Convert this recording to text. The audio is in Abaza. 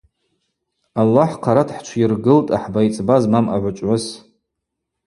Аллахӏ хъара дхӏчвйыргылтӏ ахӏба-айцӏба змам агӏвычӏвгӏвыс.